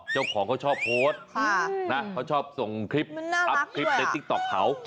เจ้าของเขาชอบโพสต์เขาชอบส่งคลิปอัพคลิปในติ๊กต๊อกเขา